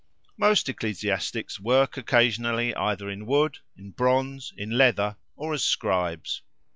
Most ecclesiastics work occasionally either in wood, in bronze, in leather, or as scribes.